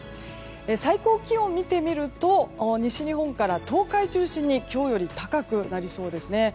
最高気温を見てみると西日本から東海を中心に今日より高くなりそうですね。